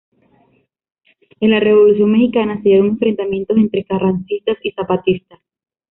En la Revolución Mexicana se dieron enfrentamientos entre Carrancistas y Zapatistas.